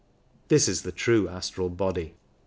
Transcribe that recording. This is the true astral body.